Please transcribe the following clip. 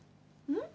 うん？